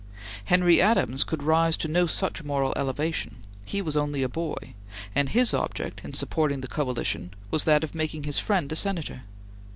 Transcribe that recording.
Henry Adams could rise to no such moral elevation. He was only a boy, and his object in supporting the coalition was that of making his friend a Senator.